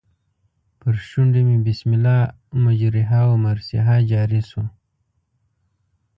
پر شونډو مې بسم الله مجریها و مرسیها جاري شو.